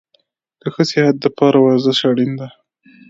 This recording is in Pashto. د ښه صحت دپاره ورزش اړین ده